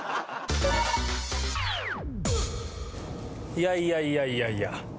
いやいやいやいやいや。